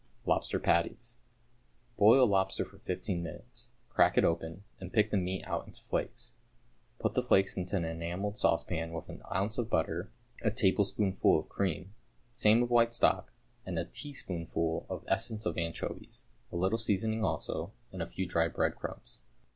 =Lobster Patties.= Boil a lobster for fifteen minutes. Crack it open and pick the meat out into flakes. Put the flakes into an enamelled saucepan with an ounce of butter, a tablespoonful of cream, same of white stock, and a teaspoonful of essence of anchovies, a little seasoning also, and a few dry breadcrumbs.